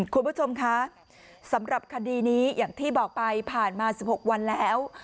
คุณผู้ชมคะสำหรับคดีนี้อย่างที่บอกไปผ่านมา๑๖วันแล้ว